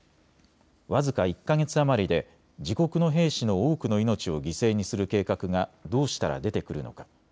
僅か１か月余りで自国の兵士の多くの命を犠牲にする計画がどうしたら出てくるのか。